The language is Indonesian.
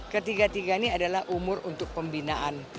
ketiga tiga ini adalah umur untuk pembinaan